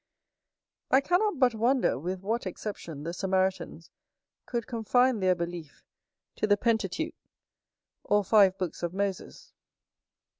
I cannot but wonder with what exception the Samaritans could confine their belief to the Pentateuch, or five books of Moses.